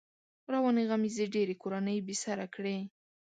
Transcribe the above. روانې غمېزې ډېری کورنۍ بې سره کړې.